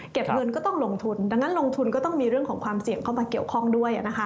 เงินก็ต้องลงทุนดังนั้นลงทุนก็ต้องมีเรื่องของความเสี่ยงเข้ามาเกี่ยวข้องด้วย